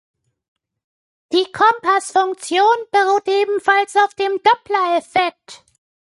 Die Kompass-Funktion beruht ebenfalls auf dem Dopplereffekt.